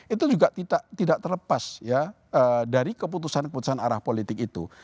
itu juga tidak terlepas ya dari keputusan keputusan arah politik itu